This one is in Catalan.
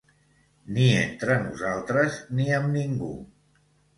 Ni entre nosaltres ni amb ningú.